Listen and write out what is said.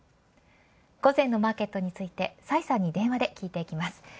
午前のマーケットについて崔さんに電話で聞いていきます。